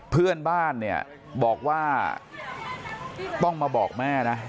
เพื่อนบ้านเนี่ยบอกว่าต้องมาบอกแม่นะ